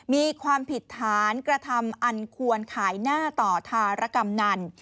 มีความผิดฐานกระทำอันควรขายหน้าต่อธารกำนัน